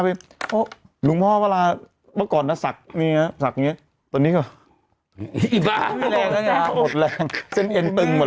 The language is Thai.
เมื่อพวกเรามันมาอีกแล้วเหรอ